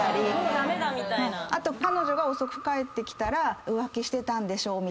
彼女が遅く帰ってきたら「浮気してたんでしょ」みたいな。